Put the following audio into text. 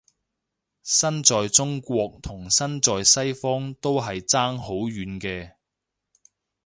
身在中國同身在西方都係爭好遠嘅